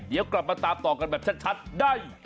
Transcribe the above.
เดี๋ยวกลับมาตามต่อกันแบบชัดได้